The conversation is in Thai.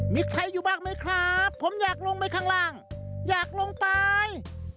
มีใครอยู่บ้างไหมครับผมอยากลงไปข้างล่างอยากลงไป